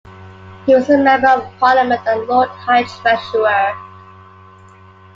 He was a Member of Parliament and Lord High Treasurer.